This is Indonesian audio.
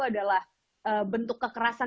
adalah bentuk kekerasan